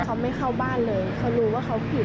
เขาไม่เข้าบ้านเลยเขารู้ว่าเขาผิด